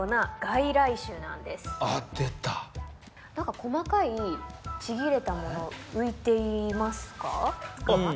細かいちぎれたもの浮いていますか？